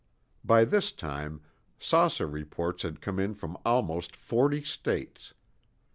By this time, saucer reports had come in from almost forty states.